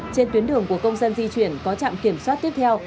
trên tuyến đường của công dân di chuyển có trạm kiểm soát tiếp theo